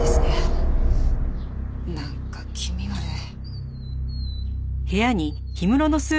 なんか気味悪い。